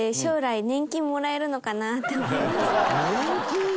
年金？